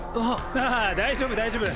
ああ大丈夫大丈夫。